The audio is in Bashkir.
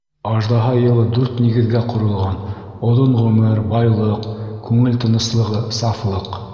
Аждаһа йылы дүрт нигеҙгә ҡоролған: оҙон ғүмер, байлыҡ, күңел тыныслығы, сафлыҡ.